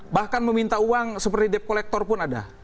bahkan meminta uang seperti depkolektor pun ada